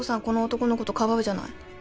この男のことかばうじゃない。